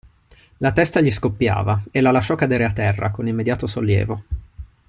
La testa gli scoppiava, e la lasciò cadere a terra, con immediato sollievo.